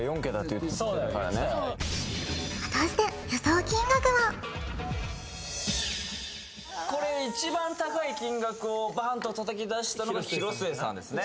言ってた果たしてこれ一番高い金額をバーンとたたきだしたのが広末さんですね